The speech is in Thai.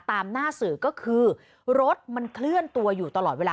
ตามหน้าสื่อก็คือรถมันเคลื่อนตัวอยู่ตลอดเวลา